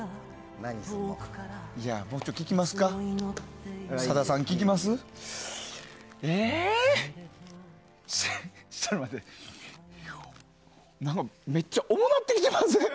何かめっちゃ重なってきてません？